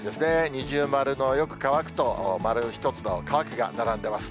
二重丸のよく乾くと、丸１つの乾くが並んでます。